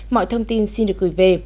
mọi thông tin xin được gửi về